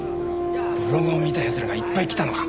ブログを見た奴らがいっぱい来たのか。